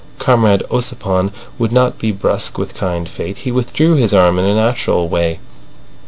Comrade Ossipon would not be brusque with kind fate. He withdrew his arm in a natural way.